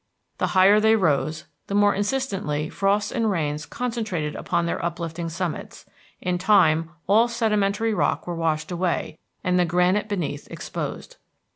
The higher they rose the more insistently frosts and rains concentrated upon their uplifting summits; in time all sedimentary rocks were washed away, and the granite beneath exposed.